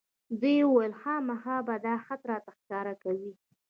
ده وویل خامخا به دا خط راته ښکاره کوې.